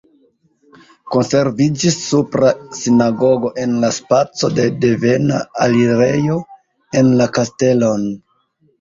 Konserviĝis supra sinagogo en la spaco de devena alirejo en la kastelon.